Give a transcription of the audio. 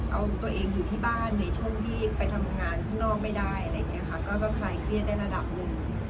เอาตัวเองอยู่ที่บ้านในช่วงที่ไปทำงานข้างนอกไม่ได้อะไรอย่างนี้ค่ะก็จะคลายเครียดได้ระดับหนึ่ง